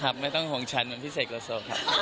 ครับไม่ต้องห่วงฉันเหมือนพี่เศกโลโซ